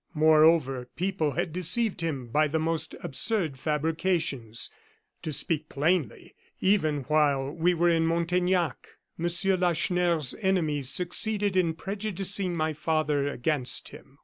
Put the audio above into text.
Moreover, people had deceived him by the most absurd fabrications. To speak plainly, even while we were in Montaignac, Monsieur Lacheneur's enemies succeeded in prejudicing my father against him."